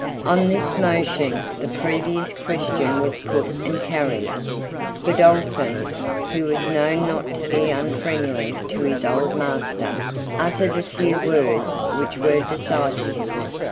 On this motion the previous question was put and carried. Godolphin, who was known not to be unfriendly to his old master, uttered a few words which were decisive.